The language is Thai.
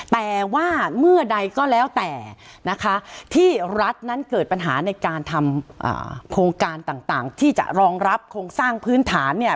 แต่ว่าเมื่อใดก็แล้วแต่นะคะที่รัฐนั้นเกิดปัญหาในการทำโครงการต่างที่จะรองรับโครงสร้างพื้นฐานเนี่ย